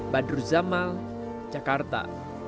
badru zamal jakarta